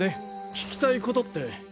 聞きたいことって？